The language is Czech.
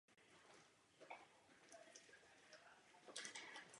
Barokní zahradu vystřídal anglický park.